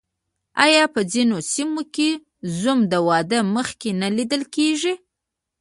آیا په ځینو سیمو کې زوم د واده مخکې نه لیدل کیږي؟